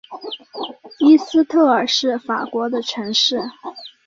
伊斯特尔是法国的城市。